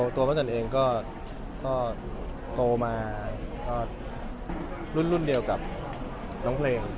ตัวป้าจันเองก็โตมาก็รุ่นเดียวกับน้องเพลง